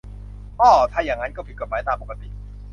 อ้อ ถ้างั้นก็ผิดกฎหมายตามปกติ